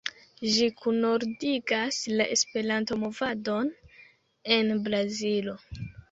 Ĝi kunordigas la Esperanto-movadon en Brazilo.